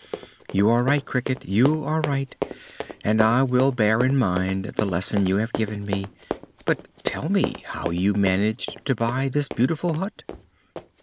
"You are right. Cricket, you are right, and I will bear in mind the lesson you have given me. But tell me how you managed to buy this beautiful hut."